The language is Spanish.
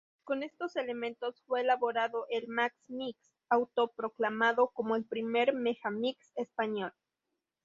Con estos elementos fue elaborado el "Max Mix", autoproclamado como ""El primer megamix español"".